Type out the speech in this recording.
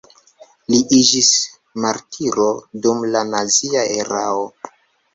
Li iĝis martiro dum la nazia erao.